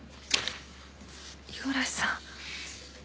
五十嵐さん。